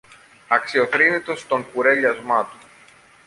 αξιοθρήνητος στον κουρέλιασμα του.